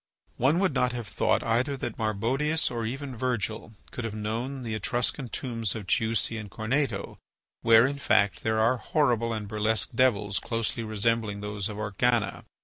One would not have thought either that Marbodius, or even Virgil, could have known the Etruscan tombs of Chiusi and Corneto, where, in fact, there are horrible and burlesque devils closely resembling those of Orcagna.